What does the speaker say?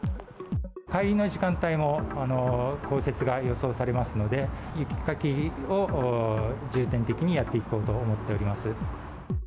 帰りの時間帯も、降雪が予想されますので、雪かきを重点的にやっていこうと思っております。